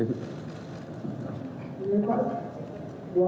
yang inisial mip yang menunjukkan